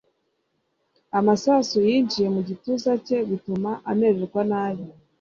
amasasu yinjiye mu gituza cye, bituma amererwa nabi